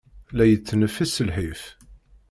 La yettneffis s lḥif.